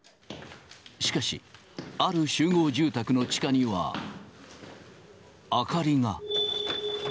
しかし、ある集合住宅の地下には明かりが。